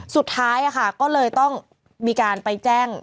สุดท้ายก็เลยต้องมีการไปแจ้ง